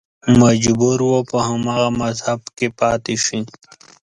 مجبور و په هماغه مذهب کې پاتې شي